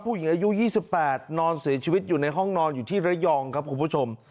ผู้หญิงอายุ๒๘นอนเสียชีวิตอยู่ในห้องนอนอยู่ที่ระยองครับคุณผู้ชม